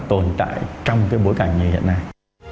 tồn tại trong bối cảnh như hiện nay